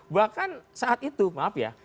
bahkan saat itu maaf ya